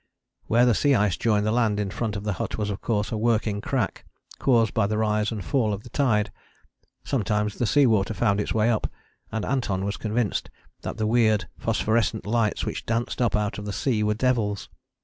Where the sea ice joined the land in front of the hut was of course a working crack, caused by the rise and fall of the tide. Sometimes the sea water found its way up, and Anton was convinced that the weird phosphorescent lights which danced up out of the sea were devils.